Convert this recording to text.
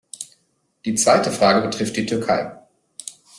Die zweite Frage betrifft die Türkei.